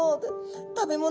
食べ物